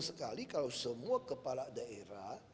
sekali kalau semua kepala daerah